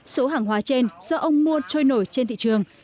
số hàng hóa trên do ông mua trôi nổi trên thị trường